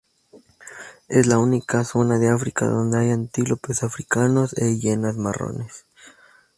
Es la única zona de África donde hay antílopes africanos e hienas marrones.